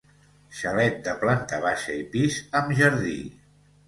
Xalet de planta baixa i pis amb jardí.